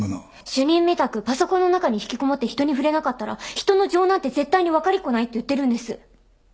主任みたくパソコンの中に引きこもって人に触れなかったら人の情なんて絶対にわかりっこないって言ってるんです。